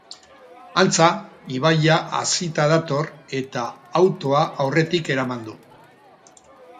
Antza, ibaia hazita dator, eta autoa aurretik eraman du.